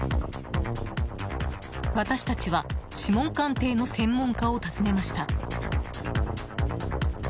私たちは指紋鑑定の専門家を訪ねました。